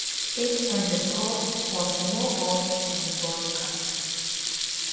It has a port for small boats and a boat club.